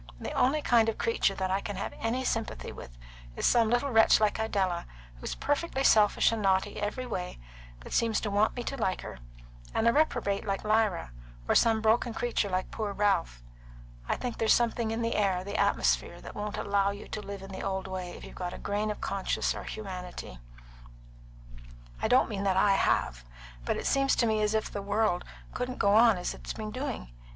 The only kind of creature that I can have any sympathy with is some little wretch like Idella, who is perfectly selfish and naughty every way, but seems to want me to like her, and a reprobate like Lyra, or some broken creature like poor Ralph. I think there's something in the air, the atmosphere, that won't allow you to live in the old way if you've got a grain of conscience or humanity. I don't mean that I have. But it seems to me as if the world couldn't go on as it has been doing.